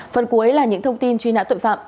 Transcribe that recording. phần cuối là những thông tin truy nã tội phạm